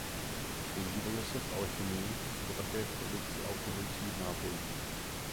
Používalo se v alchymii nebo také v produkci alkoholických nápojů.